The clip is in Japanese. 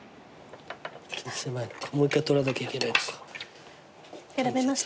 もう一回取らなきゃいけない。